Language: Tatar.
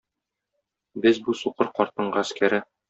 Без бу сукыр картның гаскәре.